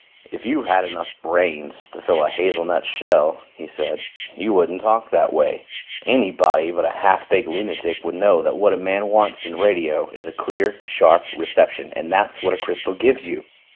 "If you had enough brains to fill a hazelnut shell," he said, "you wouldn't talk that way. Anybody but a half baked lunatic would know that what a man wants in radio is clear, sharp reception and that's what a crystal gives you.